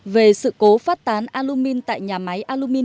về sự cố phát tán alumin tại nhà máy alumin